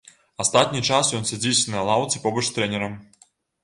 Астатні час ён сядзіць на лаўцы побач з трэнерам.